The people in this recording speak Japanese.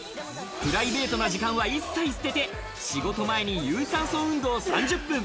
プライベートな時間は一切捨てて、仕事前に有酸素運動３０分。